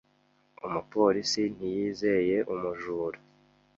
Umupolisi ntiyizeye umujura.